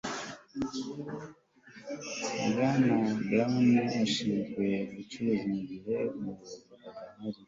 bwana brown ashinzwe ubucuruzi mugihe umuyobozi adahari